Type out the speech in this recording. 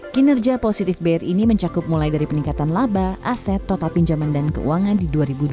kinerja positif bri ini mencakup mulai dari peningkatan laba aset total pinjaman dan keuangan di dua ribu dua puluh